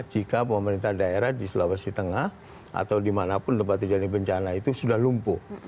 jika pemerintah daerah di sulawesi tengah atau dimanapun tempat terjadi bencana itu sudah lumpuh